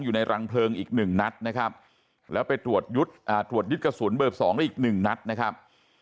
อยู่ในรังเพลิงอีกหนึ่งนัดนะครับแล้วไปตรวจยึดกระสุนเบอร์๒ได้อีกหนึ่งนัดนะครับ